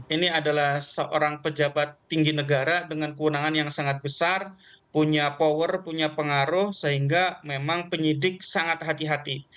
ini adalah seorang pejabat tinggi negara dengan keunangan yang sangat besar punya power punya pengaruh sehingga memang penyidik sangat hati hati